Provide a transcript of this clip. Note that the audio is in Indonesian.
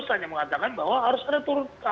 saya hanya mengatakan bahwa harus ada peran serta